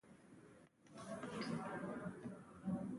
غول د حقیقت راوړونکی دی.